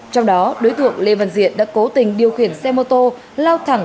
trong đó đối tượng lê văn diện đã cố tình điều khiển xe mô tô lao thẳng